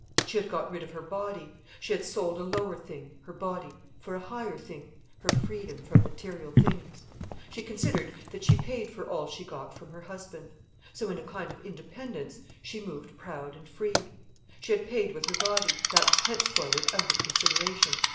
She had got rid of her body. She had sold a lower thing, her body, for a higher thing, her freedom from material things. She considered that she paid for all she got from her husband. So, in a kind of independence, she moved proud and free. She had paid with her body: that was henceforward out of consideration.